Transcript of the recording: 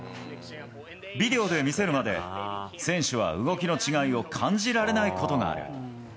ビデオで見せるまで、選手は動きの違いを感じられないことがある。